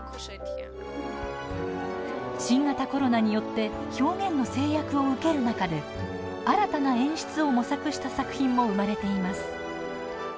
新型コロナによって表現の制約を受ける中で新たな演出を模索した作品も生まれています。